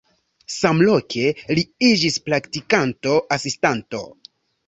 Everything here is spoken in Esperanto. Samloke li iĝis praktikanto, asistanto.